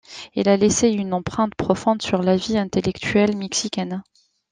Il a laissé une empreinte profonde sur la vie intellectuelle mexicaine.